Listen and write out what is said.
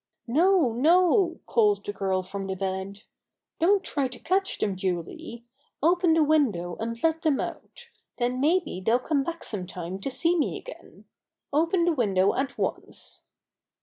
"No, no," called the girl from the bed. "Don't try to catch them, Julie. Open the window, and let them out. Then maybe they'll come back some time to see me again. Open the window at once!"